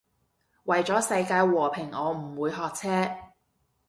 為咗世界和平我唔會學車